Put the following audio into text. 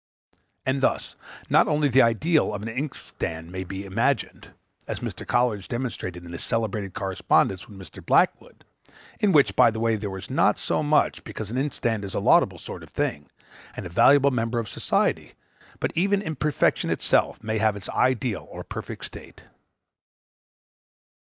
And thus not only the ideal of an inkstand may be imagined, (as Mr. Coleridge demonstrated in his celebrated correspondence with Mr. Blackwood,) in which, by the way, there is not so much, because an inkstand is a laudable sort of thing, and a valuable member of society; but even imperfection itself may have its ideal or perfect state.